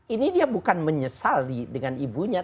ini dia bukan menyesali dengan ibunya